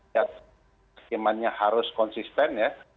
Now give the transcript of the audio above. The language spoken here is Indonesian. yang harus konsisten